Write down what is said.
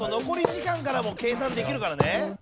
残り時間からも計算できるからね。